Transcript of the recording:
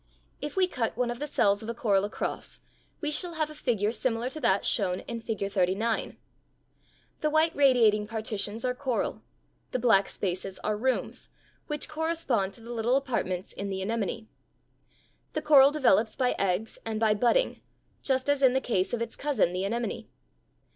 If we cut one of the cells of a coral across, we shall have a figure similar to that shown in Figure 39. The white radiating partitions are coral, the black spaces are rooms, which correspond to the little apartments in the anemone. The coral develops by eggs and by budding, just as in the case of its cousin, the anemone.